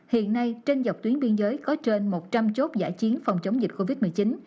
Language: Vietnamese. hiện nay trên dọc tuyến biên giới có trên một trăm linh chốt giải chiến phòng chống dịch covid một mươi chín